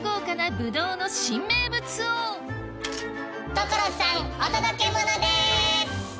所さんお届けモノです！